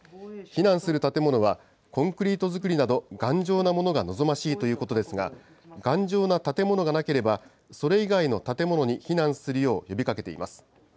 避難する建物は、コンクリート造りなど、頑丈なものが望ましいということですが、頑丈な建物がなければ、それ以外の建物に避難するよう呼びかけています。